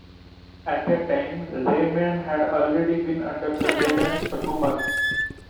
At that time, Rayman had already been under surveillance for two months.